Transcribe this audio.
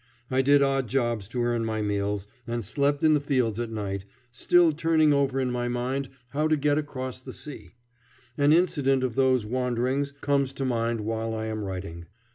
I did odd jobs to earn my meals, and slept in the fields at night, still turning over in my mind how to get across the sea. An incident of those wanderings comes to mind while I am writing.